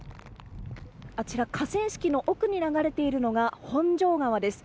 河川敷の奥に流れているのが本庄川です。